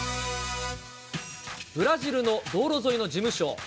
ブラジルの道路沿いの事務所。